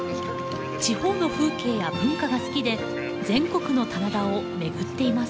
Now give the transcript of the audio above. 地方の風景や文化が好きで全国の棚田を巡っています。